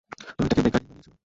তো এটাকে বেকারি বানিয়েছ?